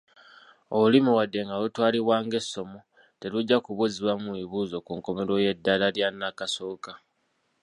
Olulimi wadde nga lutwalibwa ng’essomo, terujja kubuuzibwamu bibuuzo ku nkomerero y’eddaala lya nnakasooka.